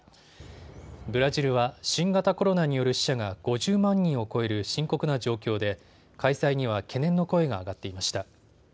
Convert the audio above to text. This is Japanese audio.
ブラジルは新型コロナによる死者が５０万人を超える深刻な状況で開催には懸念の声が上がっていました。